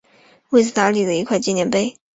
为此他立了一块纪念碑。